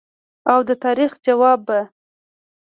او د تاریخ ځواب به